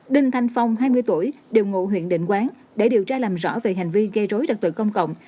đình thanh phong hai mươi tuổi điều ngộ huyện định quán để điều tra làm rõ về hành vi gây rối đặc tự công cộng